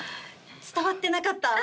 伝わってなかった？